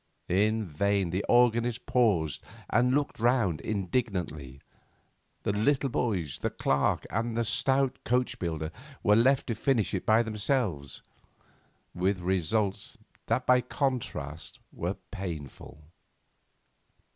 In vain the organist paused and looked round indignantly; the little boys, the clerk, and the stout coach builder were left to finish it by themselves, with results that by contrast were painful.